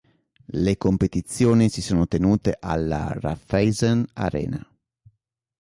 Le competizioni si sono tenute alla "Raiffeisen Arena".